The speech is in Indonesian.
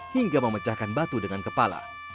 hingga memecahkan batu dengan kepala